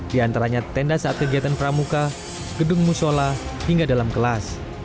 diantaranya tenda saat kegiatan pramuka gedung musyola hingga dalam kelas